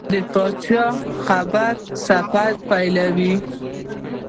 د پاچا خبرې سفر پیلوي.